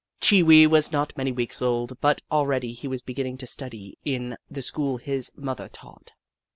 Chee Wee was not many weeks old, but already he was beginning to study in the school his mother taught.